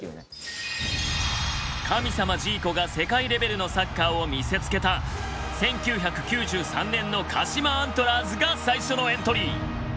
神様ジーコが世界レベルのサッカーを見せつけた１９９３年の鹿島アントラーズが最初のエントリー。